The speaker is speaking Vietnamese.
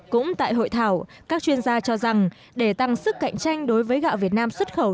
cũng tại hội thảo các chuyên gia cho rằng để tăng sức cạnh tranh đối với gạo việt nam xuất khẩu